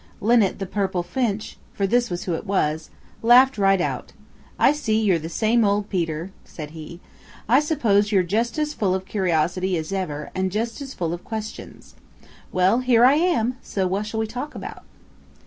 Linnet the Purple Finch, for this is who it was, laughed right out. "I see you're still the same old Peter," said he. "I suppose you're just as full of curiosity as ever and just as full of questions. Well, here I am, so what shall we talk about?"